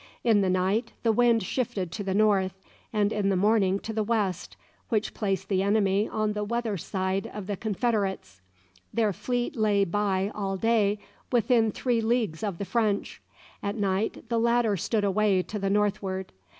In the night the wind shifted to the north, and in the morning to the west, which placed the enemy on the weather side of the confederates. Their fleet lay by all day within three leagues of the French. At night the latter stood away to the northward.